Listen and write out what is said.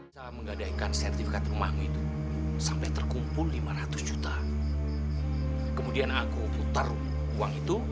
sampai jumpa di video selanjutnya